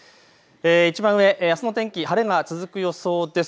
いちばん上、あすの天気、晴れが続く予想です。